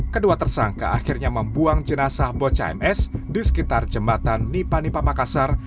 kedua tersangka akhirnya membuang jenazah bocah ms di sekitar jembatan nipanipa makassar